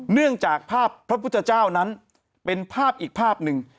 เนื่องจากภาพพระพุทธเจ้านั้นเป็นภาพอีกภาพหนึ่ง